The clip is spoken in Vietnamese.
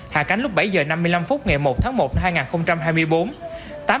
hạ cánh lúc bảy h năm mươi năm phút ngày một tháng một hai nghìn hai mươi bốn